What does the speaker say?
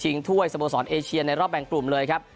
ถ้วยสโมสรเอเชียในรอบแบ่งกลุ่มเลยครับ